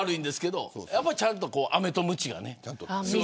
ちゃんとアメとムチがね。